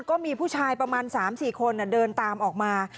ก็มีผู้ชายประมาณสามสี่คนอ่ะเดินตามออกมา